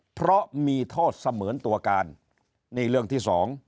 เพราะมีโทษเสมือนตัวการนี่เรื่องที่สอง